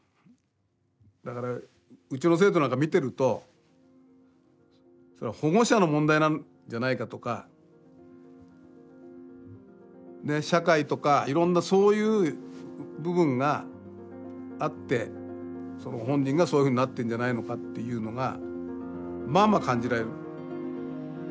だからうちの生徒なんか見てると保護者の問題なんじゃないかとか社会とかいろんなそういう部分があってその本人がそういうふうになってんじゃないかっていうのがまあまあ感じられる。